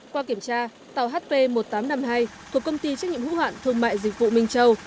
qua kiểm tra tàu hp một nghìn tám trăm năm mươi hai thuộc công ty trách nhiệm hữu hạn thương mại dịch vụ minh châu